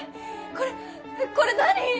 これこれ何？